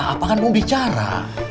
apa kan mau bicara